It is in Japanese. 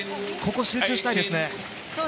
ここ、集中したいですね。